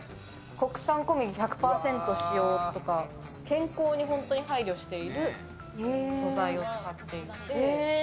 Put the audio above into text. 国産小麦１００％使用とか、健康に本当に配慮している素材を使っているので。